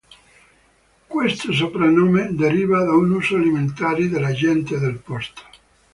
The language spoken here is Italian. Questo soprannome deriva da un uso alimentare della gente del posto.